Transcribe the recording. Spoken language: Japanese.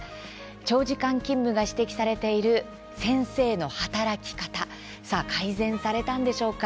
長時間勤務が指摘されている先生の働き方改善されたのでしょうか。